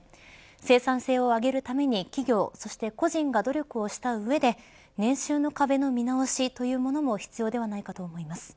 生産性を上げるために企業そして個人が努力をした上で年収の壁の見直しというものも必要ではないかと思います。